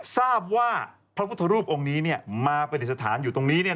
ทราบว่าพระพุทธรูปองค์นี้มาปฏิสถานอยู่ตรงนี้